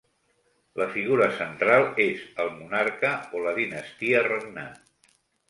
La figura central és el monarca o la dinastia regnant.